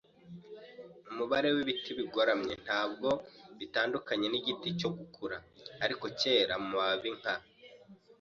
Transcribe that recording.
umubare wibiti bigoramye, ntabwo bitandukanye nigiti cyo gukura, ariko cyera mumababi, nka